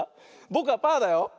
ぼくはパーだよ。